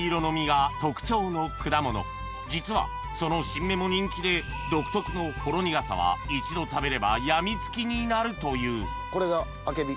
実はその新芽も人気では一度食べれば病みつきになるというこれがアケビ。